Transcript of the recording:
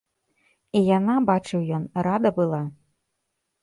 І яна, бачыў ён, рада была.